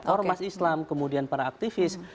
ormas islam kemudian para aktivis